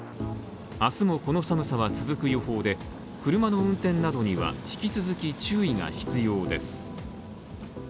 明日もこの寒さは続く予報で、車の運転などには引き続き注意が必要です。